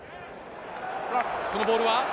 このボールは。